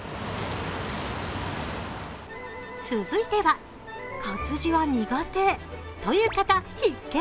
続いては活字は苦手という方、必見。